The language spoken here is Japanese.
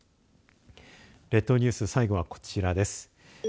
列島ニュース、最後はこちらです。